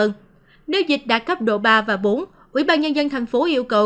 nếu dịch đạt cấp độ ba và bốn ubnd tp hcm yêu cầu